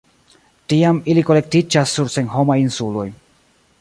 Tiam ili kolektiĝas sur senhomaj insuloj.